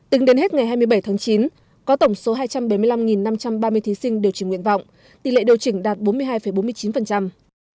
tính đến hết ngày hai mươi bảy tháng chín có tổng số hai trăm bảy mươi năm năm trăm ba mươi thí sinh điều chỉnh nguyện vọng tỷ lệ điều chỉnh đạt bốn mươi hai bốn mươi chín